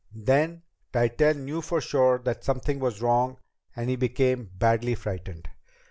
Then Tytell knew for sure that something was wrong and he became badly frightened.